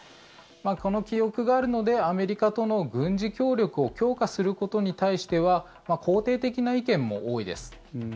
この記憶があるのでアメリカとの軍事協力を強化することに対しては肯定的な意見も多いです。